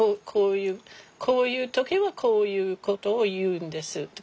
こういう時はこういうことを言うんですって。